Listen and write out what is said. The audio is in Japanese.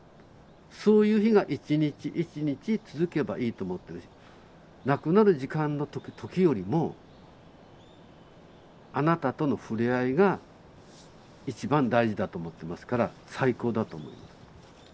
そういう日が一日一日続けばいいと思ってるし亡くなる時間の時よりもあなたとのふれあいが一番大事だと思ってますから最高だと思います。